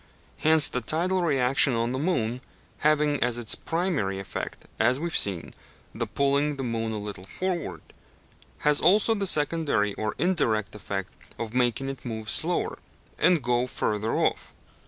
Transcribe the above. Hence, the tidal reaction on the moon, having as its primary effect, as we have seen, the pulling the moon a little forward, has also the secondary or indirect effect of making it move slower and go further off.